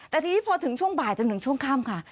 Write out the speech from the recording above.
แต่ทีนี้พอถึงช่วงบ่ายจนถึงช่วงค่ำค่ะ